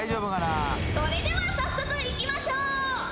それでは早速いきましょう。